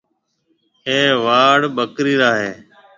اَي واڙ ٻڪريِ را هيَ۔